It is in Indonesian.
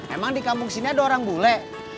emang dikampung sini ada orang bule